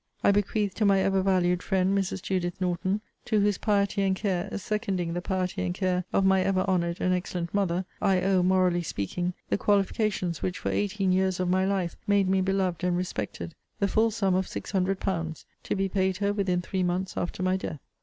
I bequeath to my ever valued friend, Mrs. Judith Norton, to whose piety and care, seconding the piety and care of my ever honoured and excellent mother, I owe, morally speaking, the qualifications which, for eighteen years of my life, made me beloved and respected, the full sum of six hundred pounds, to be paid her within three months after my death.